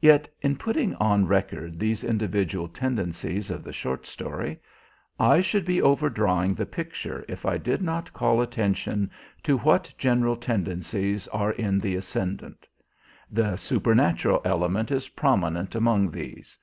Yet, in putting on record these individual tendencies of the short story, I should be overdrawing the picture if I did not call attention to what general tendencies are in the ascendent. The supernatural element is prominent among these.